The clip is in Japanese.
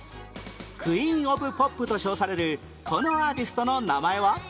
クイーン・オブ・ポップと称されるこのアーティストの名前は？